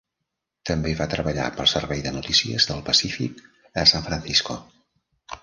També va treballar pel Servei de Notícies del Pacífic a San Francisco.